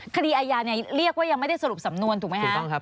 คดีอาญาเรียกว่ายังไม่ได้สรุปสำนวนถูกไหมคะ